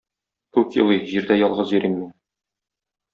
Күк елый, Җирдә ялгыз йөрим мин.